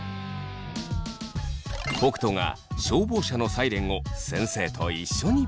北斗が消防車のサイレンを先生と一緒に。